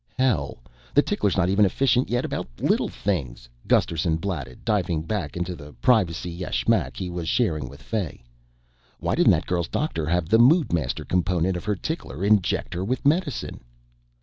"Hell, the tickler's not even efficient yet about little things," Gusterson blatted, diving back into the privacy yashmak he was sharing with Fay. "Whyn't that girl's doctor have the Moodmaster component of her tickler inject her with medicine?"